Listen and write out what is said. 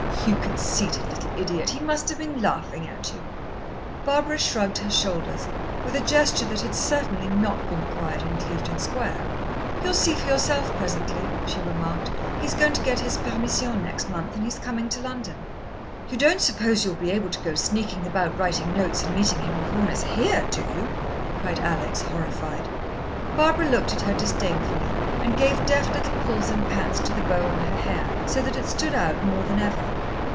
"You conceited little idiot! He must have been laughing at you." Barbara shrugged her shoulders, with a gesture that had certainly not been acquired in Clevedon Square. "You'll see for yourself presently," she remarked. "He's going to get his permission next month, and he's coming to London." "You don't suppose you'll be able to go sneaking about writing notes and meeting him in corners here, do you?" cried Alex, horrified. Barbara looked at her disdainfully, and gave deft little pulls and pats to the bow on her hair, so that it stood out more than ever.